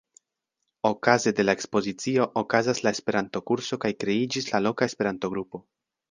Okaze de la ekspozicio okazas la Esperanto-kurso kaj kreiĝis la loka Esperanto-grupo.